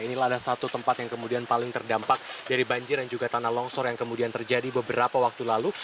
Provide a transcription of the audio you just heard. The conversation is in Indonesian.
inilah ada satu tempat yang kemudian paling terdampak dari banjir dan juga tanah longsor yang kemudian terjadi beberapa waktu lalu